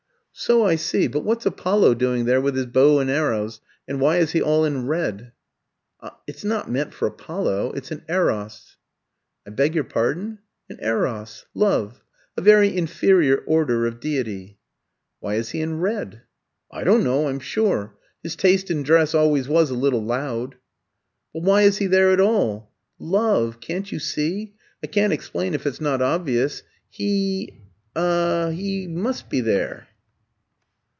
"So I see; but what's Apollo doing there with his bow and arrows, and why is he all in red?" "It's not meant for Apollo it's an Eros." "I beg your pardon?" "An Eros Love, a very inferior order of deity." "Why is he in red?" "I don't know, I'm sure. His taste in dress always was a little loud." "But why is he there at all?" "Love! Can't you see? I can't explain if it's not obvious. He er he must be there."